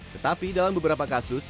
tetapi dalam beberapa kasus